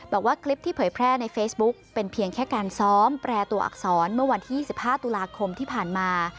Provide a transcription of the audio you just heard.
บอกว่าคลิปที่เผยแพร่ในเฟซบุ๊กเป็นเพียงแค่การซ้อมแปรตัวอักษรเมื่อวันที่๒๕ตุลาคมที่ผ่านมา